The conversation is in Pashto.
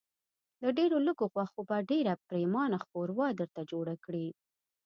له ډېرو لږو غوښو به ډېره پرېمانه ښوروا درته جوړه کړي.